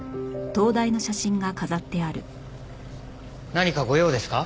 何かご用ですか？